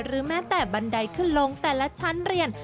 แม้แต่บันไดขึ้นลงแต่ละชั้นเรียน